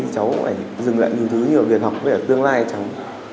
cháu phải dừng lại nhiều thứ nhiều việc học về tương lai cháu